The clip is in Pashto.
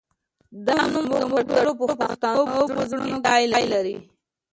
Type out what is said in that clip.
دا نوم زموږ د ټولو پښتنو په زړونو کې ځای لري